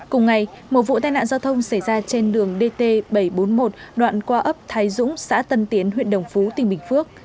cùng ngày một vụ tai nạn giao thông xảy ra trên đường dt bảy trăm bốn mươi một đoạn qua ấp thái dũng xã tân tiến huyện đồng phú tỉnh bình phước